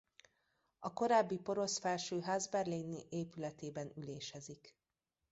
A korábbi porosz felsőház berlini épületében ülésezik.